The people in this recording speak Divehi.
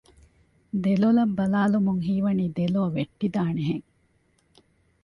ދެލޮލަށް ބަލާލުމުން ހީވަނީ ދެލޯ ވެއްޓިދާނެ ހެން